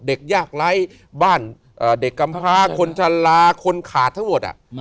เด็กยากไร้บ้านเด็กกำพาคนชะลาคนขาดทั้งหมด